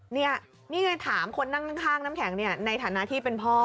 นี่ไงถามคนข้างน้ำแข็งในฐานะที่เป็นพ่อ